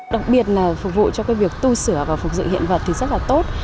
đặc biệt là phục vụ cho việc tu sửa và phục dự hiện vật thì rất là tốt